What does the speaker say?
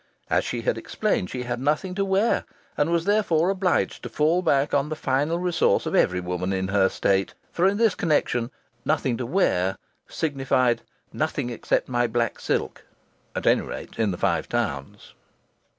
As she had explained, she had nothing to wear, and was therefore obliged to fall back on the final resource of every woman in her state. For in this connection "nothing to wear" signified "nothing except my black silk" at any rate in the Five Towns.